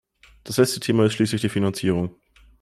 Das letzte Thema ist schließlich die Finanzierung.